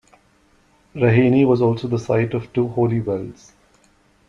Raheny was also the site of two holy wells.